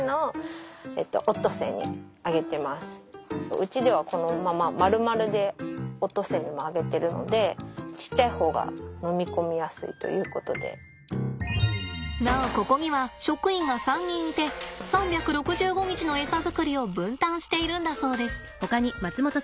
うちではこのまままるまるでオットセイにもあげてるのでなおここには職員が３人いて３６５日のエサ作りを分担しているんだそうです。